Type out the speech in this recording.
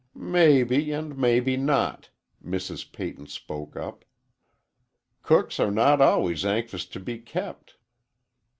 "Maybe and maybe not," Mrs. Peyton spoke up. "Cooks are not always anxious to be kept."